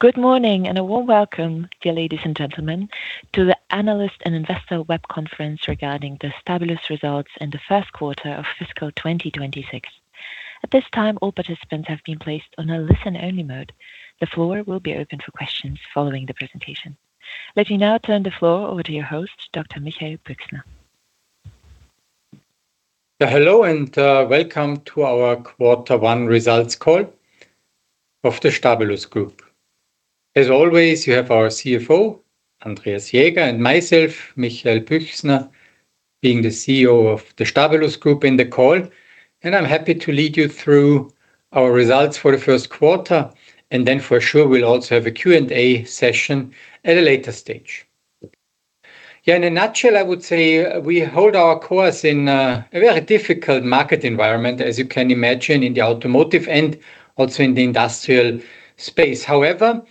Good morning, and a warm welcome, dear ladies and gentlemen, to the analyst and investor web conference regarding the Stabilus results in the first quarter of fiscal 2026. At this time, all participants have been placed on a listen-only mode. The floor will be open for questions following the presentation. Let me now turn the floor over to your host, Dr. Michael Büchsner. Hello, and welcome to our quarter one results call of the Stabilus Group. As always, you have our CFO, Andreas Jaeger, and myself, Michael Büchsner, being the CEO of the Stabilus Group in the call, and I'm happy to lead you through our results for the first quarter, and then for sure, we'll also have a Q&A session at a later stage. Yeah, in a nutshell, I would say we hold our course in a very difficult market environment, as you can imagine, in the automotive and also in the industrial space. However,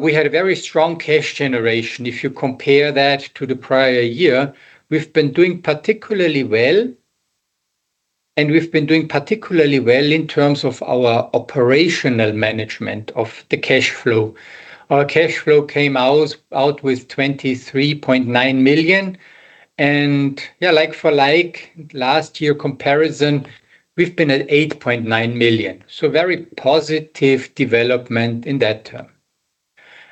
we had a very strong cash generation. If you compare that to the prior year, we've been doing particularly well, and we've been doing particularly well in terms of our operational management of the cash flow. Our cash flow came out with 23.9 million and, yeah, like for like last year comparison, we've been at 8.9 million, so very positive development in that term.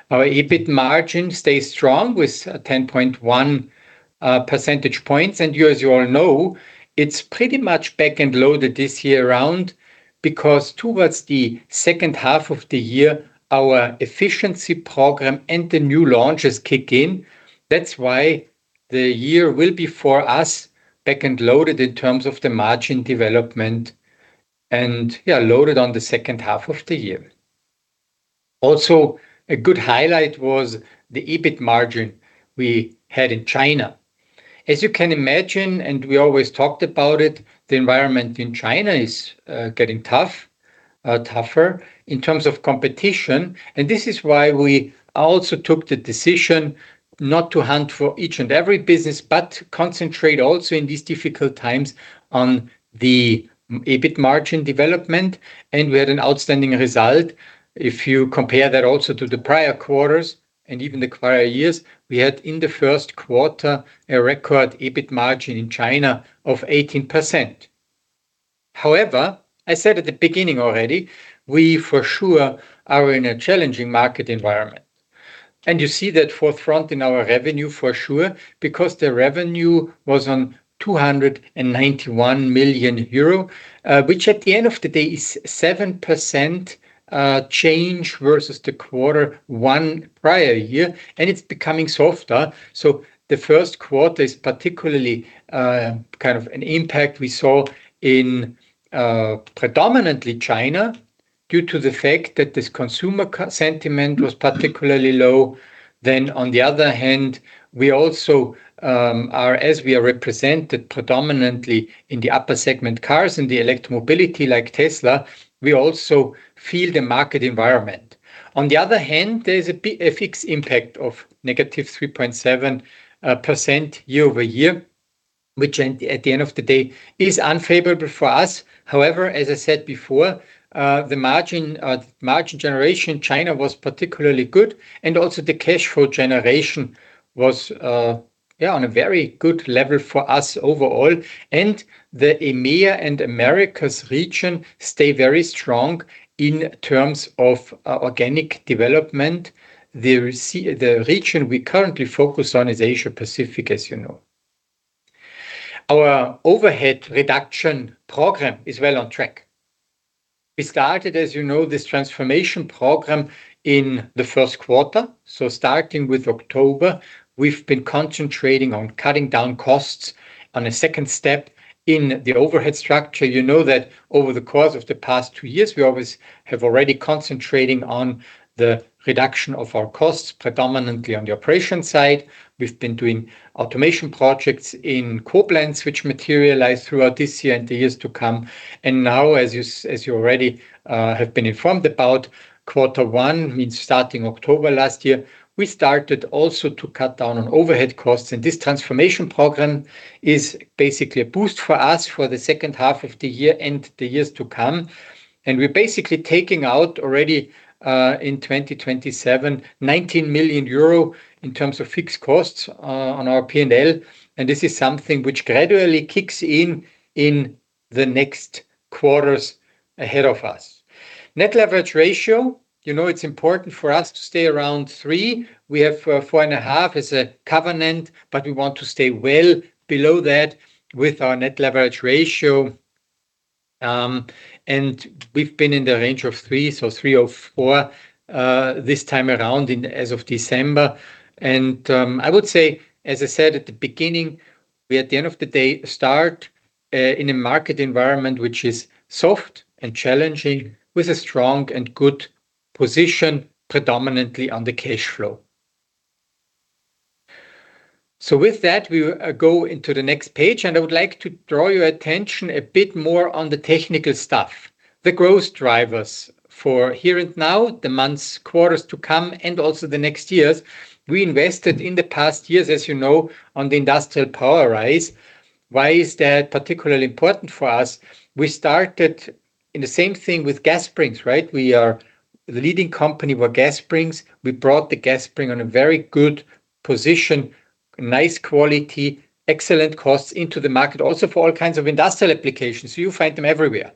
Our EBIT margin stays strong with 10.1 percentage points, and you, as you all know, it's pretty much back-end loaded this year around because towards the second half of the year, our efficiency program and the new launches kick in. That's why the year will be for us back-end loaded in terms of the margin development and, yeah, loaded on the second half of the year. Also, a good highlight was the EBIT margin we had in China. As you can imagine, and we always talked about it, the environment in China is getting tough, tougher in terms of competition, and this is why we also took the decision not to hunt for each and every business, but concentrate also in these difficult times on the EBIT margin development, and we had an outstanding result. If you compare that also to the prior quarters and even the prior years, we had in the first quarter a record EBIT margin in China of 18%. However, I said at the beginning already, we for sure are in a challenging market environment, and you see that forefront in our revenue for sure, because the revenue was 291 million euro, which at the end of the day is 7% change versus the quarter one prior year, and it's becoming softer. So the first quarter is particularly kind of an impact we saw in predominantly China, due to the fact that this consumer sentiment was particularly low. Then on the other hand, we also are, as we are represented predominantly in the upper segment, cars and the electromobility like Tesla, we also feel the market environment. On the other hand, there is a fixed impact of negative 3.7% year-over-year, which at the end of the day is unfavorable for us. However, as I said before, the margin margin generation in China was particularly good, and also the cash flow generation was yeah, on a very good level for us overall. And the EMEA and Americas region stay very strong in terms of organic development. The region we currently focus on is Asia Pacific, as you know. Our overhead reduction program is well on track. We started, as you know, this transformation program in the first quarter. So starting with October, we've been concentrating on cutting down costs on a second step in the overhead structure. You know that over the course of the past 2 years, we always have already concentrating on the reduction of our costs, predominantly on the operation side. We've been doing automation projects in Koblenz, which materialize throughout this year and the years to come. And now, as you already have been informed about quarter one, means starting October last year, we started also to cut down on overhead costs, and this transformation program is basically a boost for us for the second half of the year and the years to come. We're basically taking out already, in 2027, 19 million euro in terms of fixed costs, on our P&L, and this is something which gradually kicks in in the next quarters ahead of us. Net leverage ratio, you know, it's important for us to stay around 3. We have 4.5 as a covenant, but we want to stay well below that with our net leverage ratio. And we've been in the range of 3, so 3 or 4, this time around as of December. I would say, as I said at the beginning, we, at the end of the day, start, in a market environment which is soft and challenging, with a strong and good position, predominantly on the cash flow. So with that, we will go into the next page, and I would like to draw your attention a bit more on the technical stuff. The growth drivers for here and now, the months, quarters to come, and also the next years. We invested in the past years, as you know, on the Industrial POWERISE. Why is that particularly important for us? We started in the same thing with gas springs, right? We are the leading company for gas springs. We brought the gas spring on a very good position, nice quality, excellent costs into the market, also for all kinds of industrial applications. So you find them everywhere.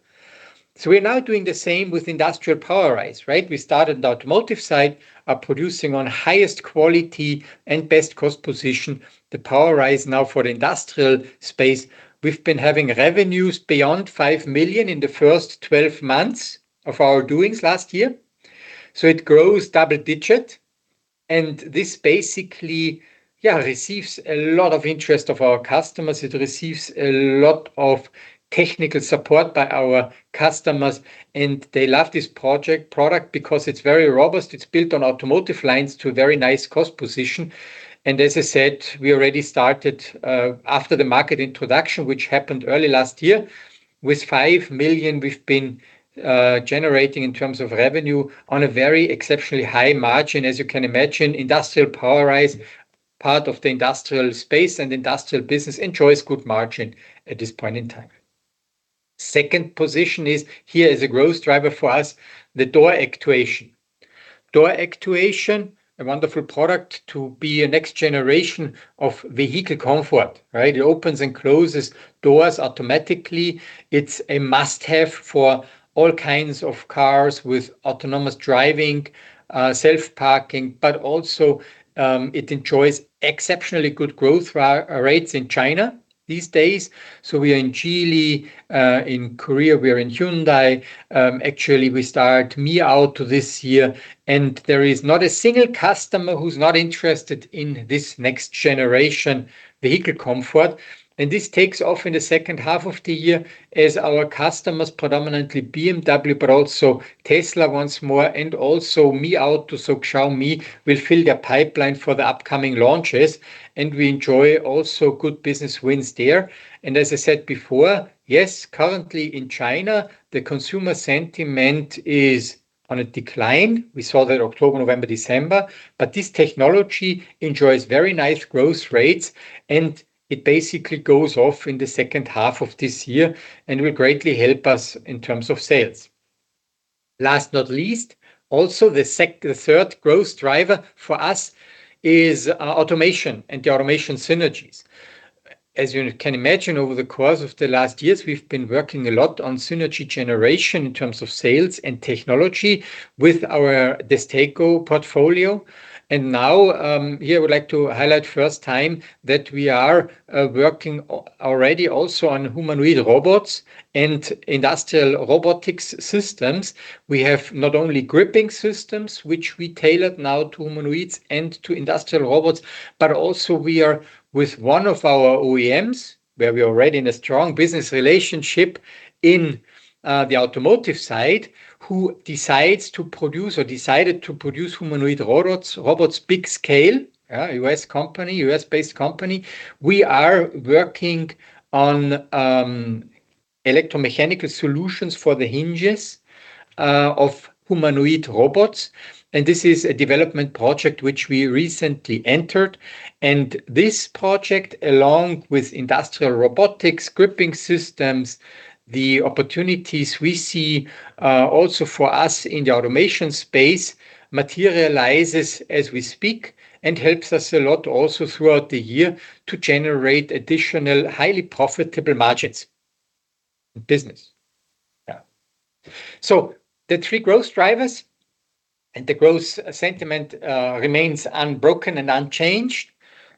So we're now doing the same with Industrial POWERISE, right? We started the automotive side, are producing on highest quality and best cost position. The POWERISE now for the industrial space, we've been having revenues beyond 5 million in the first 12 months of our doings last year, so it grows double-digit. And this basically, yeah, receives a lot of interest of our customers. It receives a lot of technical support by our customers, and they love this product because it's very robust. It's built on automotive lines to a very nice cost position, and as I said, we already started after the market introduction, which happened early last year. With 5 million we've been generating in terms of revenue on a very exceptionally high margin. As you can imagine, Industrial POWERISE, part of the industrial space and industrial business enjoys good margin at this point in time. Second position is, here is a growth driver for us, the door actuation. Door actuation, a wonderful product to be a next generation of vehicle comfort, right? It opens and closes doors automatically. It's a must-have for all kinds of cars with autonomous driving, self-parking, but also, it enjoys exceptionally good growth rates in China these days. So we are in Geely, in Korea, we are in Hyundai. Actually, we start Mi Auto this year, and there is not a single customer who's not interested in this next generation vehicle comfort. And this takes off in the second half of the year as our customers, predominantly BMW, but also Tesla once more, and also Mi Auto, so Xiaomi, will fill their pipeline for the upcoming launches, and we enjoy also good business wins there. And as I said before, yes, currently in China, the consumer sentiment is on a decline. We saw that October, November, December, but this technology enjoys very nice growth rates, and it basically goes off in the second half of this year and will greatly help us in terms of sales. Last but not least, also the third growth driver for us is automation and the automation synergies. As you can imagine, over the course of the last years, we've been working a lot on synergy generation in terms of sales and technology with our DESTACO portfolio. And now, here I would like to highlight first time that we are working already also on humanoid robots and industrial robotics systems. We have not only gripping systems, which we tailored now to humanoids and to industrial robots, but also we are with one of our OEMs, where we are already in a strong business relationship in the automotive side, who decides to produce or decided to produce humanoid robots, robots, big scale, U.S. company, U.S.-based company. We are working on electromechanical solutions for the hinges of humanoid robots, and this is a development project which we recently entered. And this project, along with industrial robotics, gripping systems, the opportunities we see also for us in the automation space, materializes as we speak and helps us a lot also throughout the year to generate additional, highly profitable margins in business. Yeah. So the three growth drivers and the growth sentiment remains unbroken and unchanged.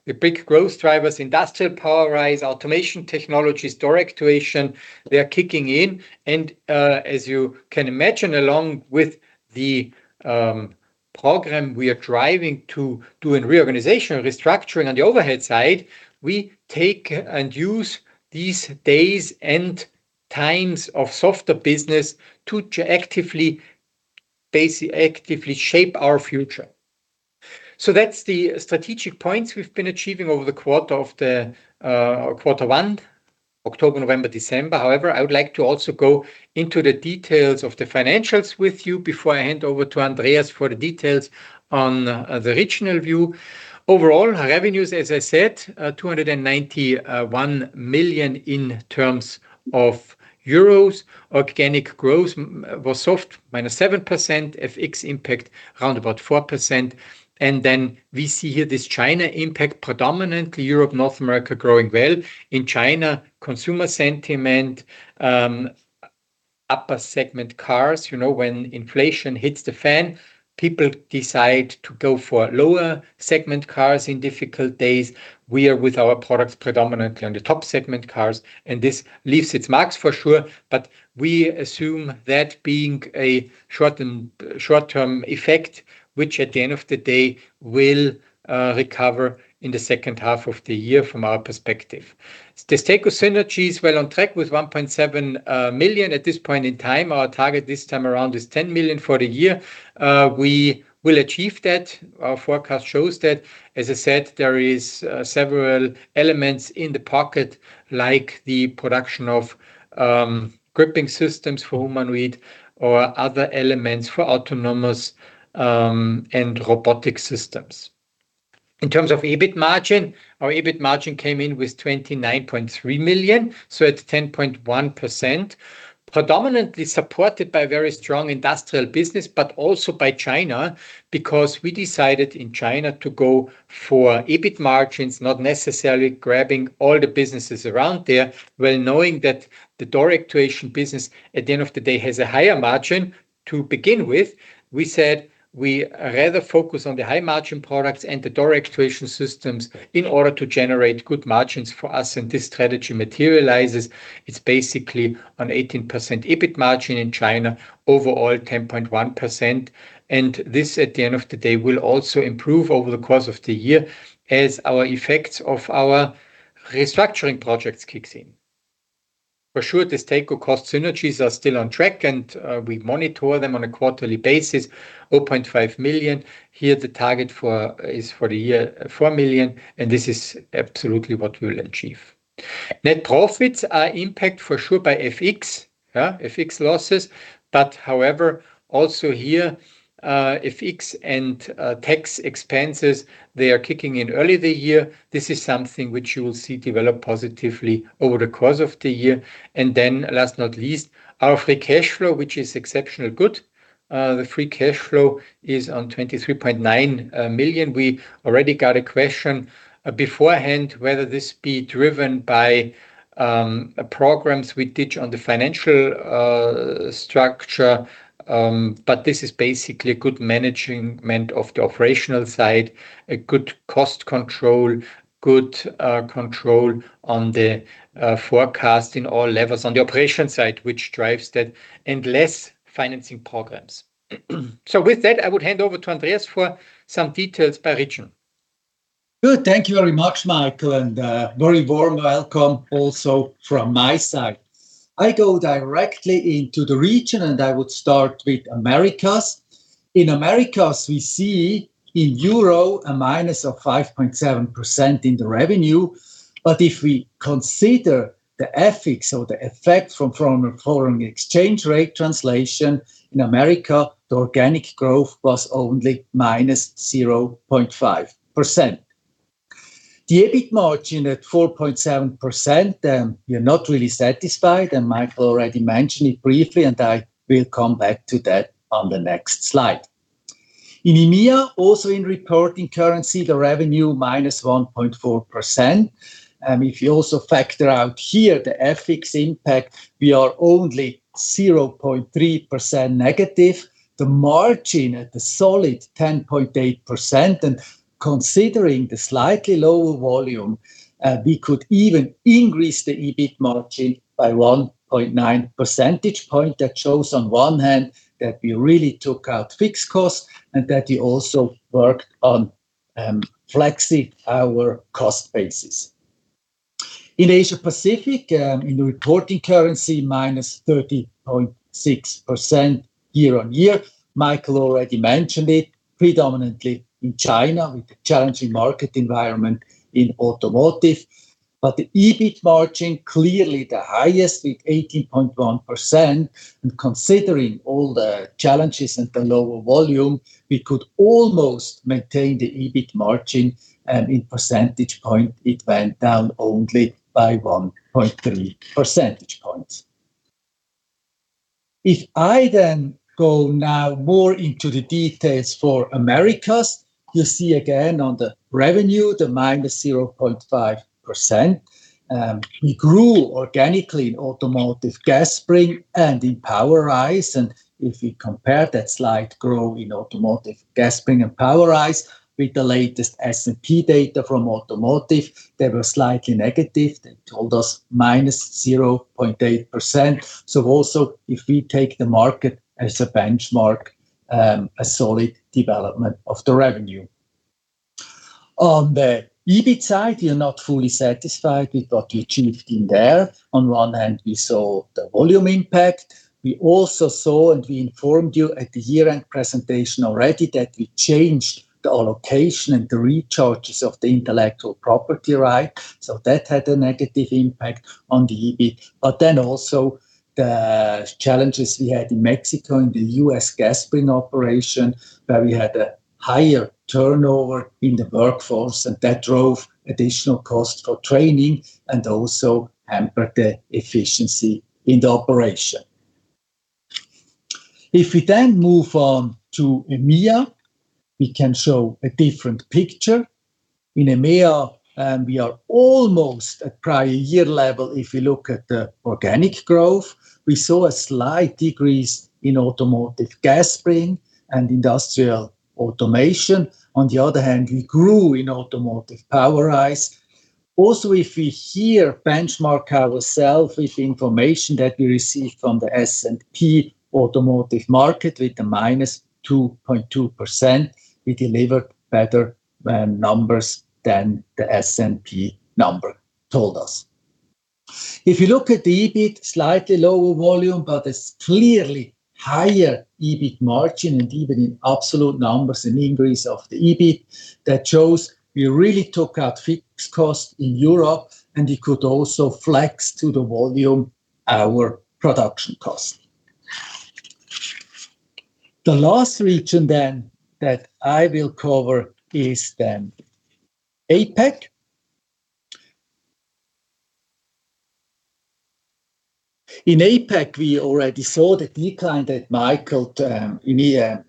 The big growth drivers, Industrial POWERISE, automation technologies, door actuation, they are kicking in and, as you can imagine, along with the program we are driving to doing reorganization, restructuring on the overhead side, we take and use these days and times of softer business to actively actively shape our future. So that's the strategic points we've been achieving over the quarter of the quarter one, October, November, December. However, I would like to also go into the details of the financials with you before I hand over to Andreas for the details on the regional view. Overall, revenues, as I said, 291 million. Organic growth was soft, -7%, FX impact round about 4%. And then we see here this China impact, predominantly Europe, North America, growing well. In China, consumer sentiment, upper segment cars, you know, when inflation hits the fan, people decide to go for lower segment cars in difficult days. We are with our products, predominantly on the top segment cars, and this leaves its marks for sure, but we assume that being a short-term effect, which at the end of the day, will recover in the second half of the year from our perspective. DESTACO synergies were on track with 1.7 million at this point in time. Our target this time around is 10 million for the year. We will achieve that. Our forecast shows that, as I said, there is several elements in the pocket, like the production of gripping systems for humanoid or other elements for autonomous and robotic systems. In terms of EBIT margin, our EBIT margin came in with 29.3 million, so at 10.1%. Predominantly supported by very strong industrial business, but also by China, because we decided in China to go for EBIT margins, not necessarily grabbing all the businesses around there. Well, knowing that the door actuation business, at the end of the day, has a higher margin to begin with, we said we rather focus on the high-margin products and the door actuation systems in order to generate good margins for us, and this strategy materializes. It's basically an 18% EBIT margin in China, overall 10.1%, and this, at the end of the day, will also improve over the course of the year as our effects of our restructuring projects kicks in. For sure, this take of cost synergies are still on track, and we monitor them on a quarterly basis. 0.5 million. Here, the target for the year is 4 million, and this is absolutely what we'll achieve. Net profits are impact for sure by FX, yeah, FX losses, but however, also here, FX and tax expenses, they are kicking in early the year. This is something which you will see develop positively over the course of the year. And then last not least, our free cash flow, which is exceptionally good. The free cash flow is 23.9 million. We already got a question beforehand, whether this be driven by, programs we did on the financial, structure, but this is basically good management of the operational side, a good cost control, good, control on the, forecast in all levels on the operation side, which drives that, and less financing programs. So with that, I would hand over to Andreas for some details by region. Good. Thank you very much, Michael, and very warm welcome also from my side. I go directly into the region, and I would start with Americas. In Americas, we see in euro a minus of 5.7% in the revenue, but if we consider the FX effects from foreign exchange rate translation, in Americas the organic growth was only -0.5%. The EBIT margin at 4.7%, we are not really satisfied, and Michael already mentioned it briefly, and I will come back to that on the next slide. In EMEA, also in reporting currency, the revenue -1.4%. If you also factor out here the FX impact, we are only -0.3%. The margin at the solid 10.8%, and considering the slightly lower volume, we could even increase the EBIT margin by 1.9 percentage point. That shows, on one hand, that we really took out fixed costs and that we also worked on, flexing our cost basis. In Asia Pacific, in the reporting currency, minus 13.6% year-on-year. Michael already mentioned it, predominantly in China, with the challenging market environment in automotive. But the EBIT margin, clearly the highest with 18.1%, and considering all the challenges and the lower volume, we could almost maintain the EBIT margin, and in percentage point, it went down only by 1.3 percentage points. If I then go now more into the details for Americas, you see again on the revenue, the minus 0.5%. We grew organically in automotive gas springs and in POWERISE, and if we compare that slight growth in automotive gas springs and POWERISE with the latest S&P data from automotive, they were slightly negative. They told us -0.8%. So also, if we take the market as a benchmark, a solid development of the revenue. On the EBIT side, we are not fully satisfied with what we achieved in there. On one hand, we saw the volume impact. We also saw, and we informed you at the year-end presentation already, that we changed the allocation and the recharges of the intellectual property right, so that had a negative impact on the EBIT. But then also the challenges we had in Mexico, in the U.S. gas spring operation, where we had a higher turnover in the workforce, and that drove additional cost for training and also hampered the efficiency in the operation. If we then move on to EMEA, we can show a different picture. In EMEA, we are almost at prior year level if you look at the organic growth. We saw a slight decrease in automotive gas spring and industrial automation. On the other hand, we grew in automotive POWERISE. Also, if we here benchmark ourselves with information that we received from the S&P automotive market, with the -2.2%, we delivered better numbers than the S&P number told us. If you look at the EBIT, slightly lower volume, but it's clearly higher EBIT margin and even in absolute numbers, an increase of the EBIT. That shows we really took out fixed costs in Europe, and we could also flex to the volume our production costs. The last region then that I will cover is then APAC. In APAC, we already saw the decline that Michael in the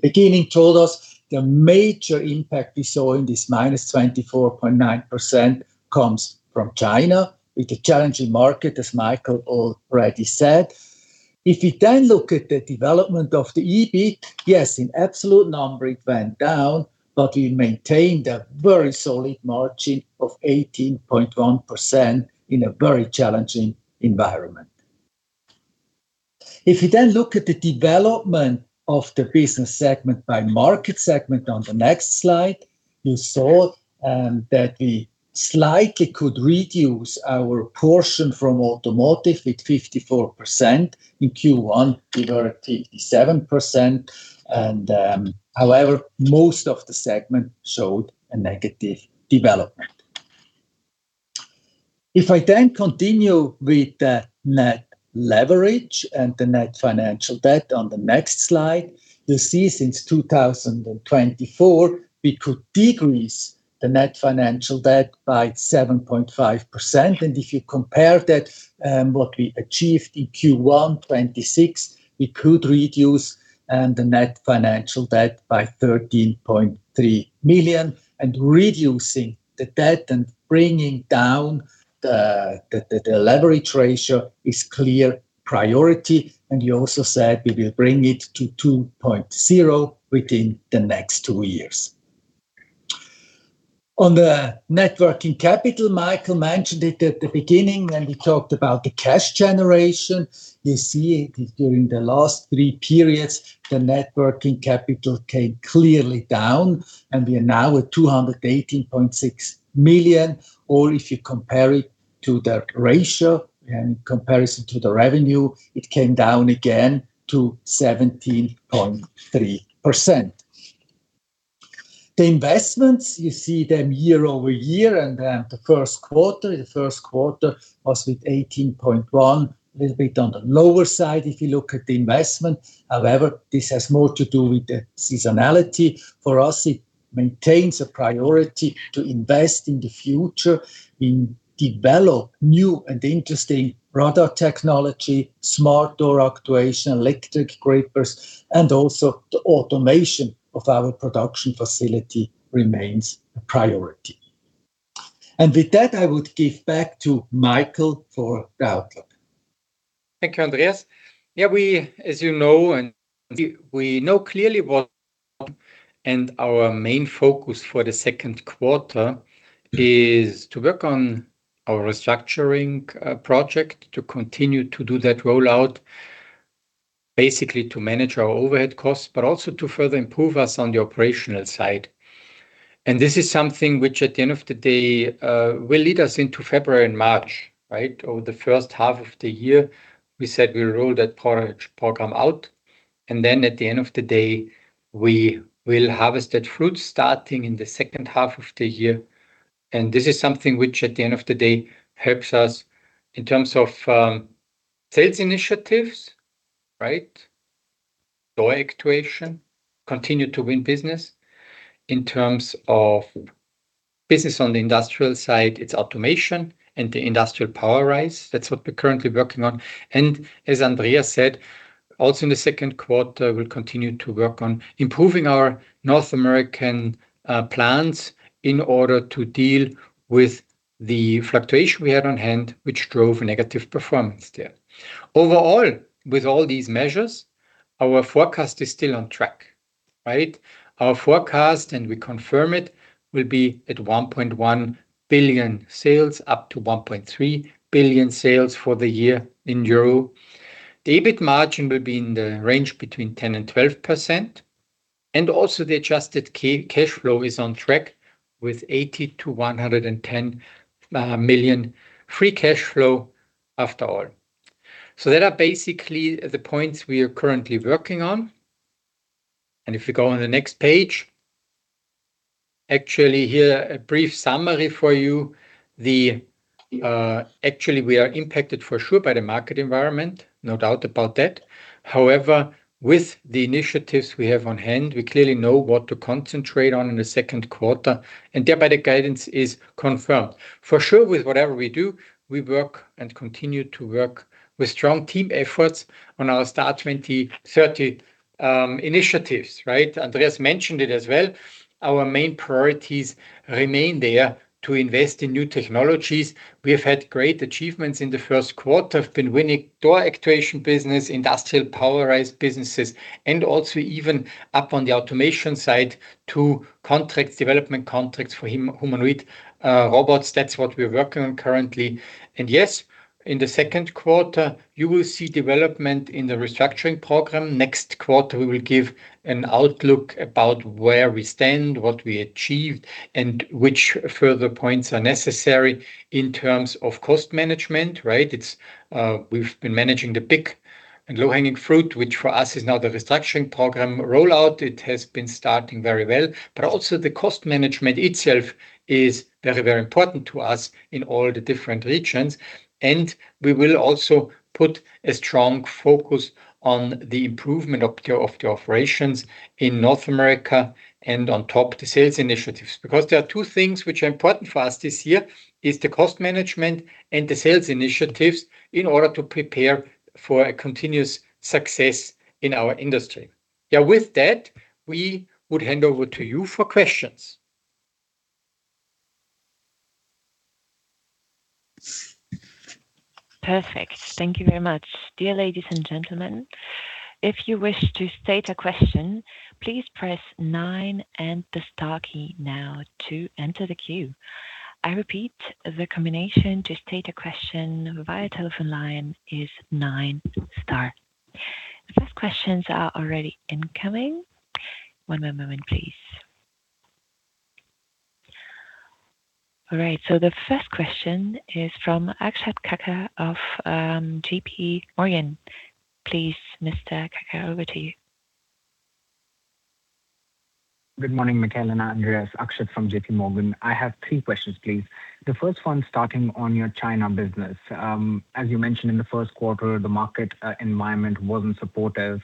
beginning told us. The major impact we saw in this -24.9% comes from China, with a challenging market, as Michael already said. If you then look at the development of the EBIT, yes, in absolute number it went down, but we maintained a very solid margin of 18.1% in a very challenging environment. If you then look at the development of the business segment by market segment on the next slide, you saw that we slightly could reduce our portion from automotive with 54%. In Q1, we were at 37%, and, however, most of the segment showed a negative development. If I then continue with the net leverage and the net financial debt on the next slide, you'll see since 2024, we could decrease the net financial debt by 7.5%, and if you compare that, what we achieved in Q1 2026, we could reduce the net financial debt by 13.3 million. Reducing the debt and bringing down the leverage ratio is clear priority, and we also said we will bring it to 2.0 within the next two years. On the net working capital, Michael mentioned it at the beginning when we talked about the cash generation. You see it, during the last three periods, the net working capital came clearly down, and we are now at 218.6 million, or if you compare it to the ratio, in comparison to the revenue, it came down again to 17.3%. The investments, you see them year-over-year, and then the first quarter. The first quarter was with 18.1 million, a little bit on the lower side if you look at the investment. However, this has more to do with the seasonality. For us, it maintains a priority to invest in the future, in develop new and interesting radar technology, smart door actuation, electric grippers, and also the automation of our production facility remains a priority. And with that, I would give back to Michael for the outlook. Thank you, Andreas. Yeah, we, as you know, and we know clearly what, and our main focus for the second quarter is to work on our restructuring project, to continue to do that rollout, basically to manage our overhead costs, but also to further improve us on the operational side. And this is something which, at the end of the day, will lead us into February and March, right? Over the first half of the year, we said we'll roll that Transformation Program out, and then at the end of the day, we will harvest that fruit starting in the second half of the year. And this is something which, at the end of the day, helps us in terms of sales initiatives, right? Door actuation, continue to win business. In terms of business on the industrial side, it's automation and the Industrial POWERISE. That's what we're currently working on. As Andreas said, also in the second quarter, we'll continue to work on improving our North American plants in order to deal with the fluctuation we had on hand, which drove negative performance there. Overall, with all these measures, our forecast is still on track, right? Our forecast, and we confirm it, will be at 1.1 billion sales, up to 1.3 billion sales for the year in euro. The EBIT margin will be in the range between 10%-12%, and also the adjusted cash flow is on track, with 80-110 million free cash flow after all. That are basically the points we are currently working on. If you go on the next page, actually here, a brief summary for you. Actually, we are impacted for sure by the market environment, no doubt about that. However, with the initiatives we have on hand, we clearly know what to concentrate on in the second quarter, and thereby the guidance is confirmed. For sure, with whatever we do, we work and continue to work with strong team efforts on our STAR 2030 initiatives, right? Andreas mentioned it as well. Our main priorities remain there, to invest in new technologies. We have had great achievements in the first quarter. We've been winning door actuation business, industrial POWERISE businesses, and also even up on the automation side, two contracts, development contracts for humanoid robots. That's what we're working on currently. And yes, in the second quarter, you will see development in the restructuring program. Next quarter, we will give an outlook about where we stand, what we achieved, and which further points are necessary in terms of cost management, right? It's, we've been managing the big and low-hanging fruit, which for us is now the restructuring program rollout. It has been starting very well. But also, the cost management itself is very, very important to us in all the different regions, and we will also put a strong focus on the improvement of the operations in North America and on top, the sales initiatives. Because there are two things which are important for us this year, is the cost management and the sales initiatives in order to prepare for a continuous success in our industry. Yeah, with that, we would hand over to you for questions. Perfect. Thank you very much. Dear ladies and gentlemen, if you wish to state a question, please press nine and the star key now to enter the queue. I repeat, the combination to state a question via telephone line is nine star. The first questions are already incoming. One more moment, please. All right, so the first question is from Akshat Kacker of J.P. Morgan. Please, Mr. Kacker, over to you. Good morning, Michael and Andreas. Akshat from J.P. Morgan. I have three questions, please. The first one, starting on your China business. As you mentioned in the first quarter, the market environment wasn't supportive.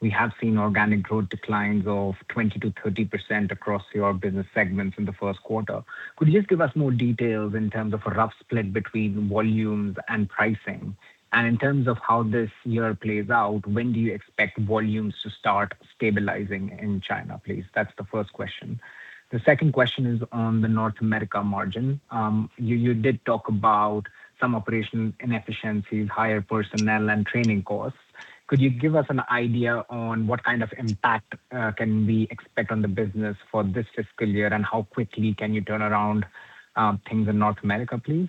We have seen organic growth declines of 20%-30% across your business segments in the first quarter. Could you just give us more details in terms of a rough split between volumes and pricing? And in terms of how this year plays out, when do you expect volumes to start stabilizing in China, please? That's the first question. The second question is on the North America margin. You did talk about some operational inefficiencies, higher personnel and training costs. Could you give us an idea on what kind of impact can we expect on the business for this fiscal year, and how quickly can you turn around things in North America, please?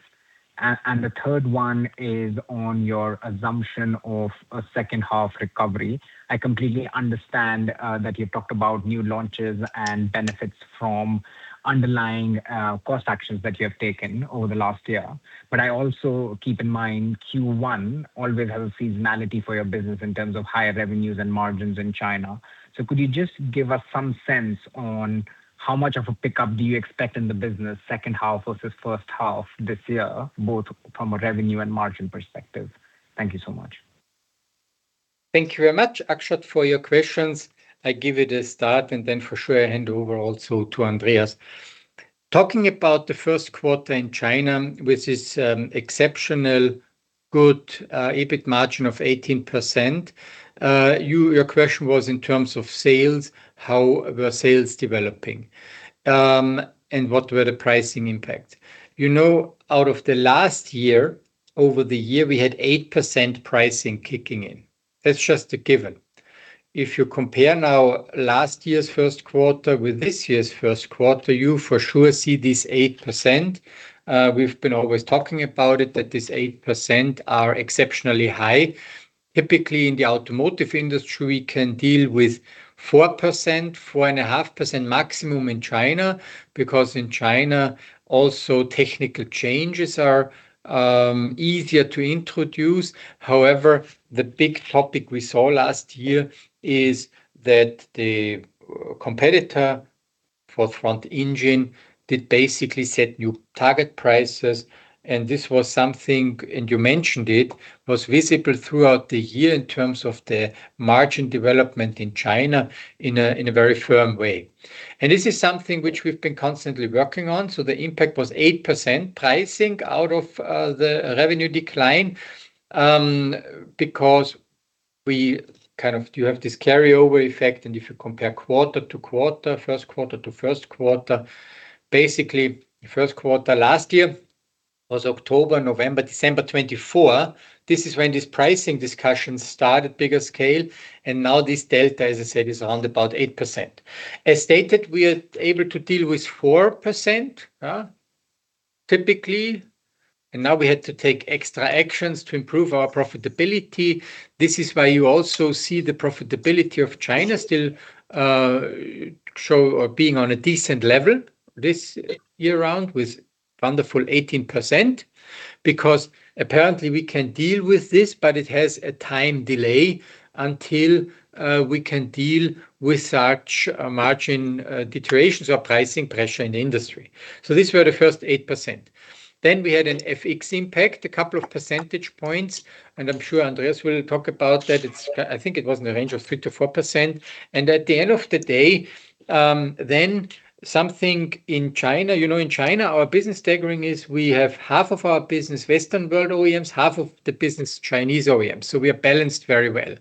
And the third one is on your assumption of a second half recovery. I completely understand that you've talked about new launches and benefits from underlying cost actions that you have taken over the last year. But I also keep in mind, Q1 always has a seasonality for your business in terms of higher revenues and margins in China. So could you just give us some sense on how much of a pickup do you expect in the business second half versus first half this year, both from a revenue and margin perspective? Thank you so much. Thank you very much, Akshat, for your questions. I give it a start, and then for sure, I hand over also to Andreas. Talking about the first quarter in China, which is exceptional, good, EBIT margin of 18%. Your question was in terms of sales, how were sales developing, and what were the pricing impact? You know, out of the last year, over the year, we had 8% pricing kicking in. That's just a given. If you compare now last year's first quarter with this year's first quarter, you for sure see this 8%. We've been always talking about it, that this 8% are exceptionally high. Typically, in the automotive industry, we can deal with 4%, 4.5% maximum in China, because in China, also technical changes are easier to introduce. However, the big topic we saw last year is that the competitor for front engine did basically set new target prices, and this was something, and you mentioned it, was visible throughout the year in terms of the margin development in China in a, in a very firm way. And this is something which we've been constantly working on, so the impact was 8% pricing out of the revenue decline. Because you have this carryover effect, and if you compare quarter to quarter, first quarter to first quarter, basically, first quarter last year was October, November, December 2024. This is when this pricing discussion started bigger scale, and now this delta, as I said, is around about 8%. As stated, we are able to deal with 4%, typically, and now we had to take extra actions to improve our profitability. This is why you also see the profitability of China still show or being on a decent level this year round, with wonderful 18%, because apparently we can deal with this, but it has a time delay until we can deal with such margin deteriorations or pricing pressure in the industry. So these were the first 8%. Then we had an FX impact, a couple of percentage points, and I'm sure Andreas will talk about that. I think it was in the range of 3%-4%. And at the end of the day, then something in China. You know, in China, our business staggering is we have half of our business, Western world OEMs, half of the business, Chinese OEMs, so we are balanced very well.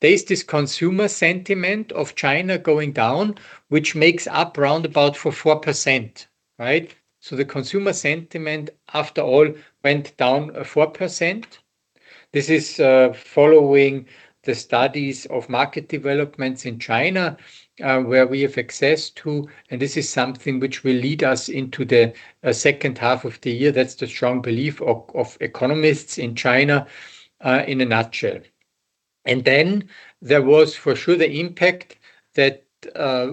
There is this consumer sentiment of China going down, which makes up roundabout for 4%, right? So the consumer sentiment, after all, went down 4%. This is, following the studies of market developments in China, where we have access to, and this is something which will lead us into the, second half of the year. That's the strong belief of, of economists in China, in a nutshell. And then there was for sure the impact that,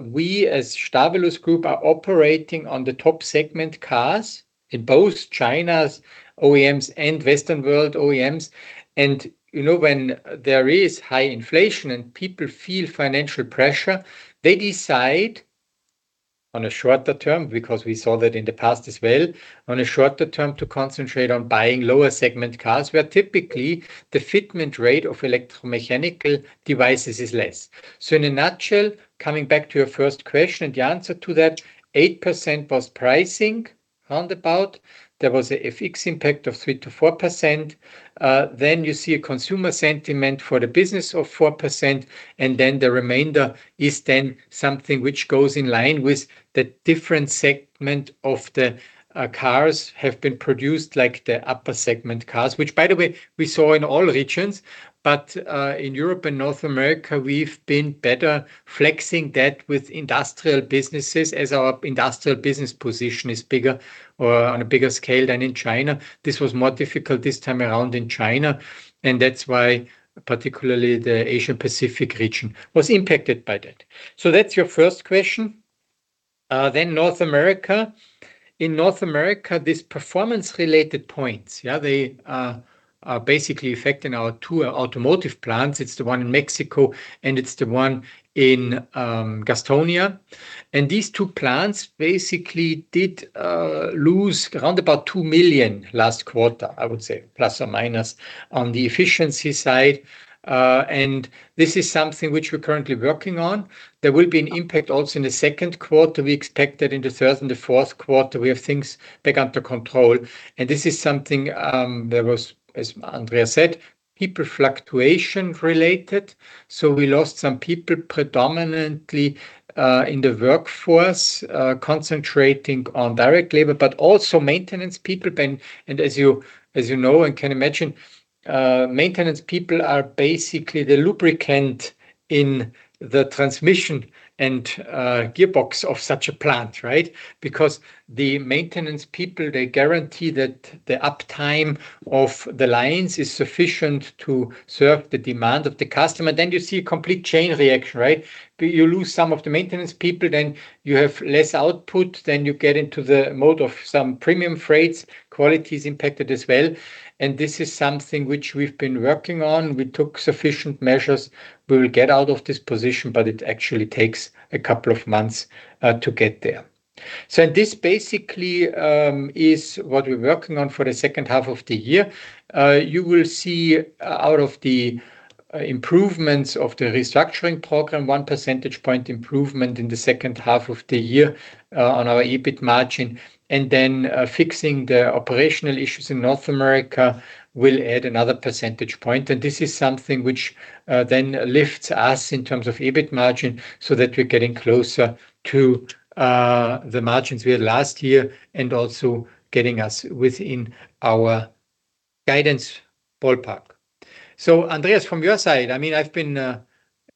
we as Stabilus Group are operating on the top segment cars in both China's OEMs and Western world OEMs. You know, when there is high inflation and people feel financial pressure, they decide on a shorter term, because we saw that in the past as well, on a shorter term, to concentrate on buying lower segment cars, where typically the fitment rate of electromechanical devices is less. So in a nutshell, coming back to your first question and the answer to that, 8% was pricing, roundabout. There was a FX impact of 3%-4%. Then you see a consumer sentiment for the business of 4%, and then the remainder is then something which goes in line with the different segment of the cars have been produced, like the upper segment cars. Which by the way, we saw in all regions, but in Europe and North America, we've been better flexing that with industrial businesses, as our industrial business position is bigger or on a bigger scale than in China. This was more difficult this time around in China, and that's why particularly the Asia Pacific region was impacted by that. So that's your first question. Then North America. In North America, these performance-related points, yeah, they are basically affecting our two automotive plants. It's the one in Mexico, and it's the one in Gastonia. And these two plants basically did lose around about 2 million last quarter, I would say, ± on the efficiency side. And this is something which we're currently working on. There will be an impact also in the second quarter. We expect that in the third and the fourth quarter we have things back under control. And this is something, there was, as Andreas said, people fluctuation related. So we lost some people, predominantly, in the workforce, concentrating on direct labor, but also maintenance people. Then, as you know and can imagine, maintenance people are basically the lubricant in the transmission and gearbox of such a plant, right? Because the maintenance people, they guarantee that the uptime of the lines is sufficient to serve the demand of the customer. Then you see a complete chain reaction, right? You lose some of the maintenance people, then you have less output, then you get into the mode of some premium freights. Quality is impacted as well, and this is something which we've been working on. We took sufficient measures. We will get out of this position, but it actually takes a couple of months to get there. So this basically is what we're working on for the second half of the year. You will see, out of the improvements of the restructuring program, one percentage point improvement in the second half of the year on our EBIT margin, and then fixing the operational issues in North America will add another percentage point. And this is something which then lifts us in terms of EBIT margin, so that we're getting closer to the margins we had last year and also getting us within our guidance ballpark. So, Andreas, from your side, I mean, I've been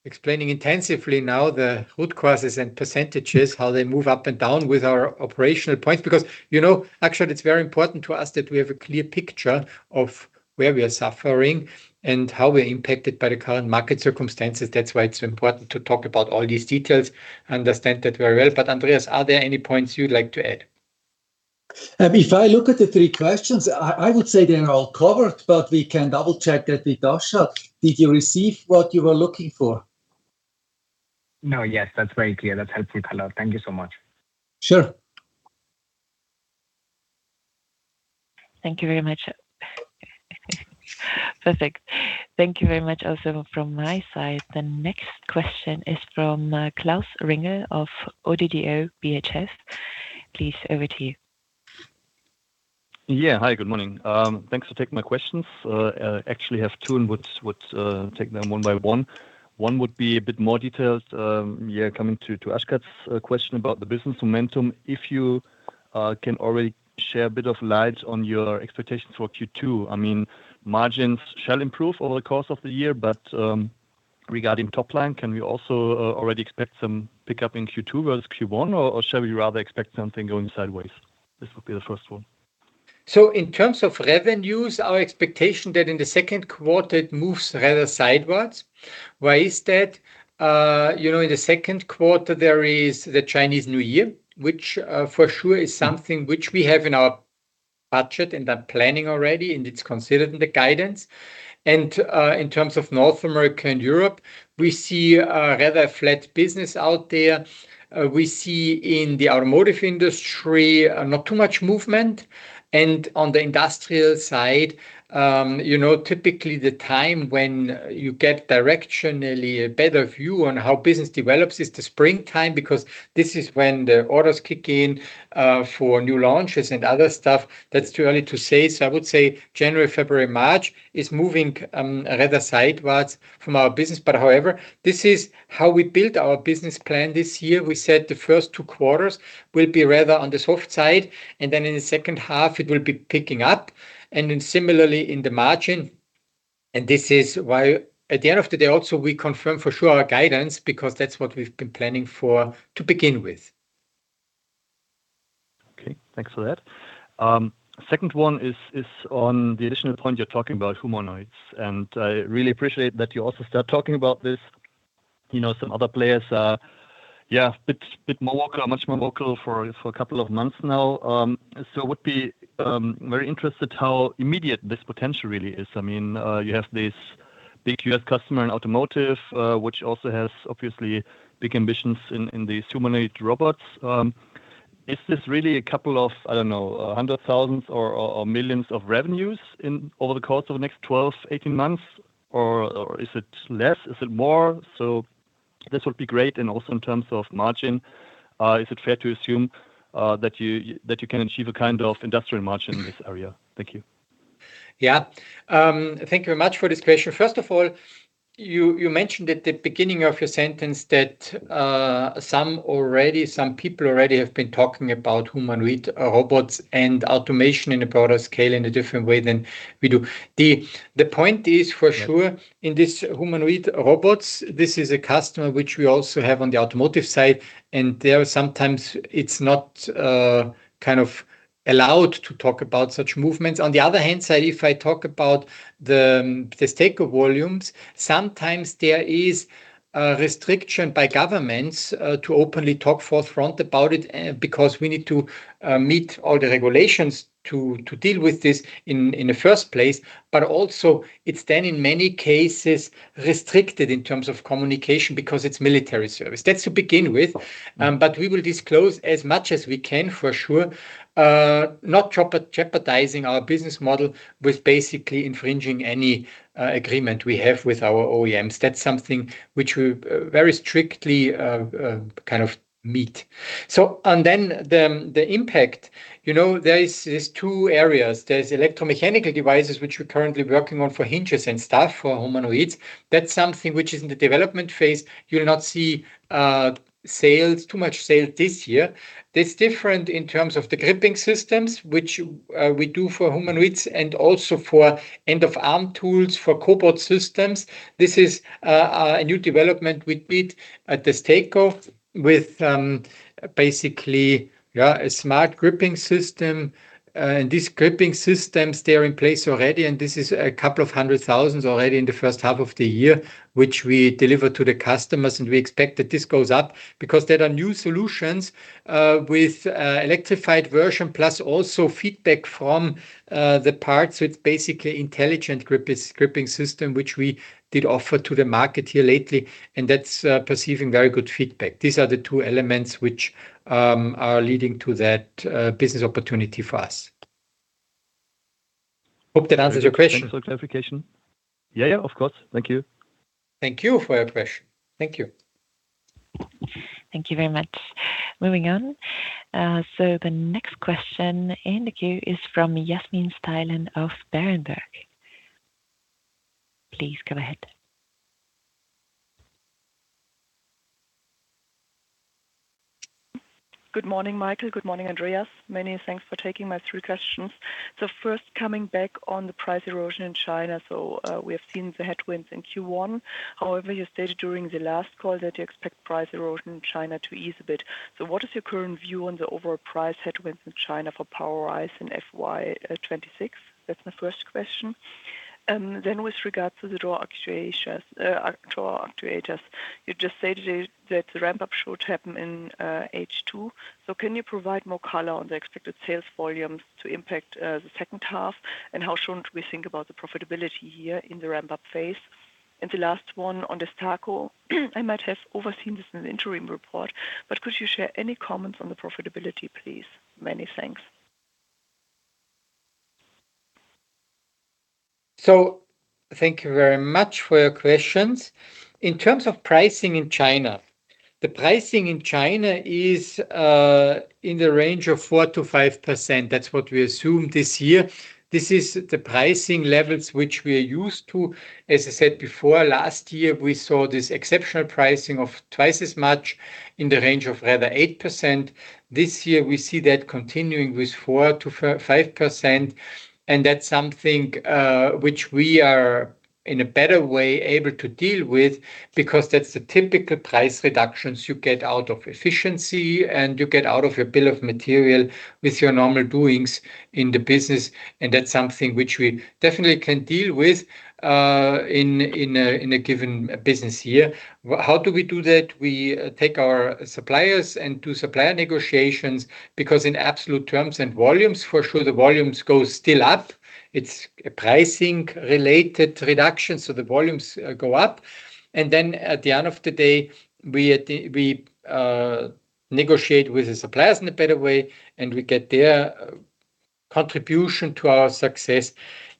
explaining intensively now the root causes and percentages, how they move up and down with our operational points. Because, you know, actually, it's very important to us that we have a clear picture of where we are suffering and how we're impacted by the current market circumstances. That's why it's important to talk about all these details. I understand that very well. But, Andreas, are there any points you'd like to add? If I look at the three questions, I, I would say they are all covered, but we can double-check that with Akshat. Did you receive what you were looking for? No, yes, that's very clear. That's helpful a lot. Thank you so much. Sure. Thank you very much. Perfect. Thank you very much also from my side. The next question is from Klaus Ringel of ODDO BHF. Please, over to you. Yeah. Hi, good morning. Thanks for taking my questions. I actually have two, and would take them one by one. One would be a bit more detailed. Yeah, coming to Akshat's question about the business momentum. If you can already share a bit of light on your expectations for Q2. I mean, margins shall improve over the course of the year, but regarding top line, can we also already expect some pickup in Q2 versus Q1, or shall we rather expect something going sideways? This would be the first one. So in terms of revenues, our expectation that in the second quarter it moves rather sidewards. Why is that? You know, in the second quarter, there is the Chinese New Year, which, for sure is something which we have in our budget and are planning already, and it's considered in the guidance. And, in terms of North America and Europe, we see a rather flat business out there. We see in the automotive industry, not too much movement. And on the industrial side, you know, typically the time when you get directionally a better view on how business develops is the springtime, because this is when the orders kick in, for new launches and other stuff. That's too early to say. So I would say January, February, March is moving, rather sidewards from our business. However, this is how we built our business plan this year. We said the first two quarters will be rather on the soft side, and then in the second half it will be picking up, and then similarly in the margin. And this is why, at the end of the day, also, we confirm for sure our guidance, because that's what we've been planning for to begin with. Okay, thanks for that. Second one is on the additional point you're talking about humanoids, and I really appreciate that you also start talking about this. You know, some other players are, yeah, bit more vocal, much more vocal for a couple of months now. So would be very interested how immediate this potential really is. I mean, you have this big US customer in automotive, which also has obviously big ambitions in these humanoid robots. Is this really a couple of, I don't know, hundred thousands or millions of revenues in over the course of the next 12, 18 months? Or is it less? Is it more so- -this would be great. And also in terms of margin, is it fair to assume that you can achieve a kind of industrial margin in this area? Thank you. Yeah. Thank you very much for this question. First of all, you mentioned at the beginning of your sentence that some people already have been talking about humanoid robots and automation in a broader scale, in a different way than we do. The point is, for sure- Yeah In this humanoid robots, this is a customer which we also have on the automotive side, and there are sometimes it's not kind of allowed to talk about such movements. On the other hand side, if I talk about the DESTACO volumes, sometimes there is a restriction by governments to openly talk forthright about it because we need to meet all the regulations to deal with this in the first place. But also it's then in many cases restricted in terms of communication because it's military service. That's to begin with. But we will disclose as much as we can for sure, not jeopardizing our business model with basically infringing any agreement we have with our OEMs. That's something which we very strictly kind of meet. So, then the impact, you know, there are two areas. There's electromechanical devices, which we're currently working on for hinges and stuff, for humanoids. That's something which is in the development phase. You'll not see sales, too much sales this year. That's different in terms of the gripping systems, which we do for humanoids and also for end of arm tools, for cobot systems. This is a new development we did at DESTACO with basically a smart gripping system. And these gripping systems, they are in place already, and this is 200,000 already in the first half of the year, which we delivered to the customers. And we expect that this goes up because there are new solutions with electrified version, plus also feedback from the parts. So it's basically intelligent gripping system, which we did offer to the market here lately, and that's receiving very good feedback. These are the two elements which are leading to that business opportunity for us. Hope that answers your question. Thanks for clarification. Yeah. Yeah, of course. Thank you. Thank you for your question. Thank you. Thank you very much. Moving on. The next question in the queue is from Yasmin Steilen of Berenberg. Please go ahead. Good morning, Michael. Good morning, Andreas. Many thanks for taking my three questions. So first, coming back on the price erosion in China. So, we have seen the headwinds in Q1. However, you stated during the last call that you expect price erosion in China to ease a bit. So what is your current view on the overall price headwinds in China for POWERISE in FY 2026? That's my first question. Then with regards to the door actuations, door actuators, you just said that the ramp-up should happen in H2. So can you provide more color on the expected sales volumes to impact the second half? And how should we think about the profitability here in the ramp-up phase? And the last one on DESTACO, I might have overseen this in the interim report, but could you share any comments on the profitability, please? Many thanks. So thank you very much for your questions. In terms of pricing in China, the pricing in China is in the range of 4%-5%. That's what we assume this year. This is the pricing levels which we are used to. As I said before, last year, we saw this exceptional pricing of twice as much in the range of rather 8%. This year we see that continuing with 4%-5%, and that's something which we are, in a better way, able to deal with, because that's the typical price reductions you get out of efficiency and you get out of your bill of material with your normal doings in the business. And that's something which we definitely can deal with in a given business year. How do we do that? We take our suppliers and do supplier negotiations, because in absolute terms and volumes, for sure, the volumes go still up. It's a pricing-related reduction, so the volumes go up. And then at the end of the day, we negotiate with the suppliers in a better way, and we get their contribution to our success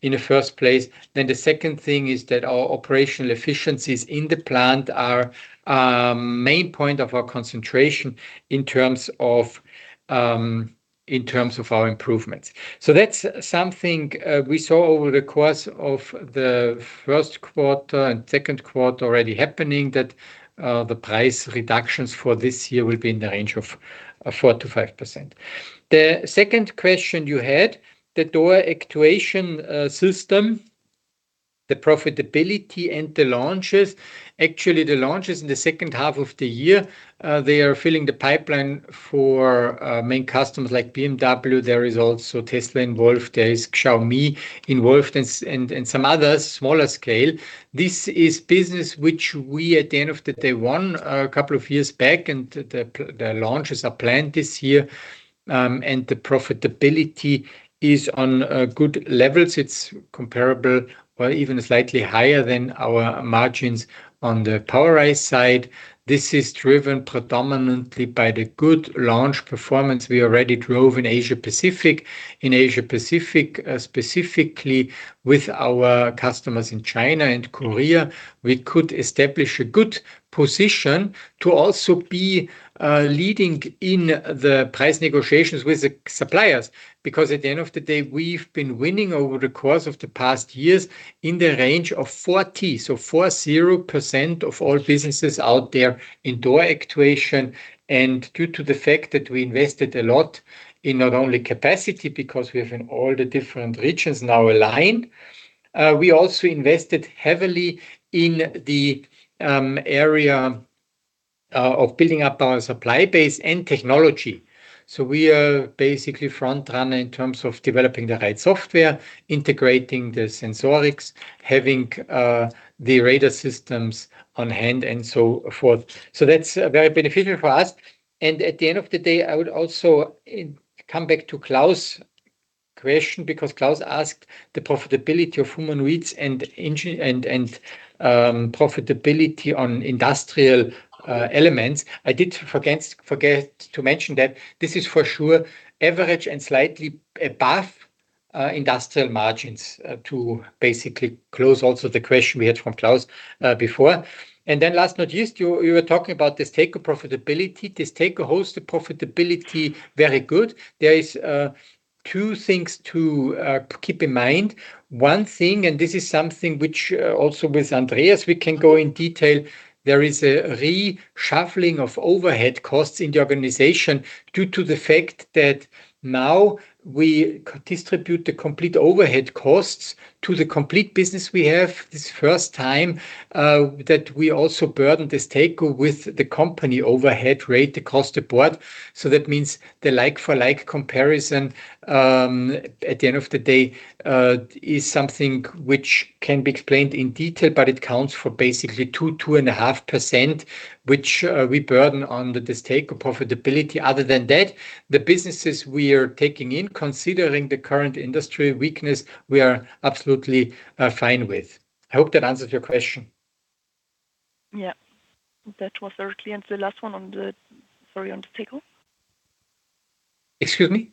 in the first place. Then the second thing is that our operational efficiencies in the plant are our main point of our concentration in terms of our improvements. So that's something we saw over the course of the first quarter and second quarter already happening, that the price reductions for this year will be in the range of 4%-5%. The second question you had, the door actuation system, the profitability and the launches. Actually, the launches in the second half of the year, they are filling the pipeline for, main customers like BMW. There is also Tesla involved, there is Xiaomi involved, and, and, and some others smaller scale. This is business which we, at the end of the day, won a couple of years back, and the launches are planned this year. And the profitability is on, good levels. It's comparable or even slightly higher than our margins on the Powerise side. This is driven predominantly by the good launch performance we already drove in Asia Pacific. In Asia Pacific, specifically with our customers in China and Korea, we could establish a good position to also be, leading in the price negotiations with the suppliers. Because at the end of the day, we've been winning over the course of the past years in the range of 40% of all businesses out there in door actuation. And due to the fact that we invested a lot in not only capacity, because we have in all the different regions now aligned, we also invested heavily in the area of building up our supply base and technology. So we are basically front runner in terms of developing the right software, integrating the sensorics, having the radar systems on hand, and so forth. So that's very beneficial for us, and at the end of the day, I would also come back to Klaus' question, because Klaus asked the profitability of humanoids and engineered and profitability on industrial elements. I did forget, forget to mention that this is for sure average and slightly above industrial margins to basically close also the question we had from Klaus before. And then last but not least, you were talking about this DESTACO profitability. This DESTACO holds the profitability very good. There is two things to keep in mind. One thing, and this is something which also with Andreas we can go in detail, there is a reshuffling of overhead costs in the organization due to the fact that now we distribute the complete overhead costs to the complete business we have. This is first time that we also burden DESTACO with the company overhead rate, the cost absorbed. So that means the like-for-like comparison, at the end of the day, is something which can be explained in detail, but it counts for basically 2-2.5%, which we burden on the DESTACO profitability. Other than that, the businesses we are taking in, considering the current industry weakness, we are absolutely fine with. I hope that answers your question. Yeah. That was very clear, and the last one on the, Sorry, on DESTACO? Excuse me?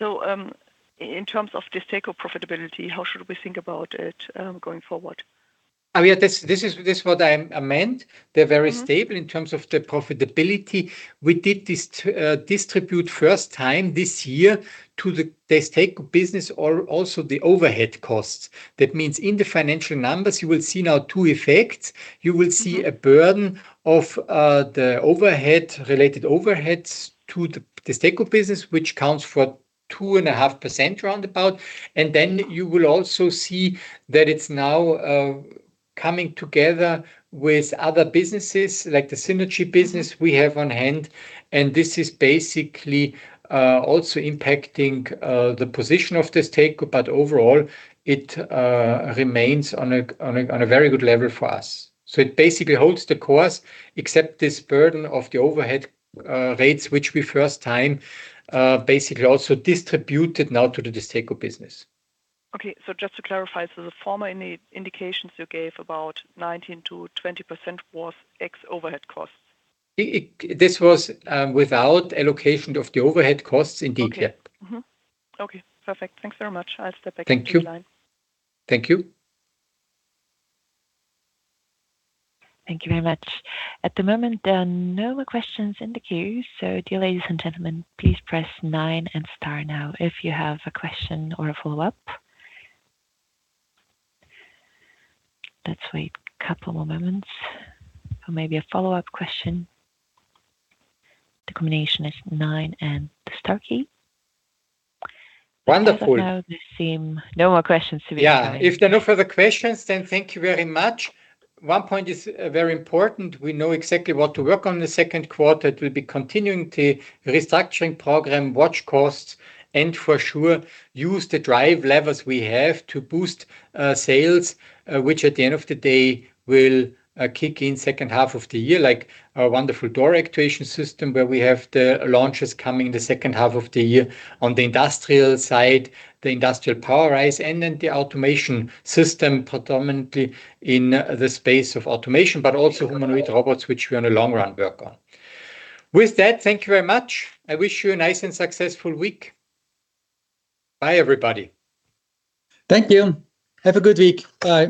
In terms of DESTACO profitability, how should we think about it, going forward? I mean, that's what I meant. Mm-hmm. They're very stable in terms of the profitability. We did distribute first time this year to the DESTACO business, also the overhead costs. That means in the financial numbers, you will see now two effects. Mm-hmm. You will see a burden of the overhead, related overheads to the DESTACO business, which counts for 2.5% roundabout. And then you will also see that it's now coming together with other businesses, like the synergy business we have on hand, and this is basically also impacting the position of DESTACO, but overall, it remains on a very good level for us. So it basically holds the course, except this burden of the overhead rates, which we first time basically also distributed now to the DESTACO business. Okay, so just to clarify, so the former indications you gave about 19%-20% was ex overhead costs? This was without allocation of the overhead costs, indeed. Yeah. Okay. Mm-hmm. Okay, perfect. Thanks very much. I'll step back into the line. Thank you. Thank you. Thank you very much. At the moment, there are no more questions in the queue, so dear ladies and gentlemen, please press nine and star now if you have a question or a follow-up. Let's wait a couple more moments for maybe a follow-up question. The combination is nine and the star key. Wonderful! As of now, there seem no more questions to be coming. Yeah, if there are no further questions, then thank you very much. One point is, very important. We know exactly what to work on in the second quarter. It will be continuing the restructuring program, watch costs, and for sure, use the drive levers we have to boost, sales, which at the end of the day, will kick in second half of the year, like our wonderful door actuation system, where we have the launches coming in the second half of the year. On the industrial side, the Industrial POWERISE, and then the automation system, predominantly in the space of automation, but also humanoid robots, which we on the long run work on. With that, thank you very much. I wish you a nice and successful week. Bye, everybody. Thank you. Have a good week. Bye.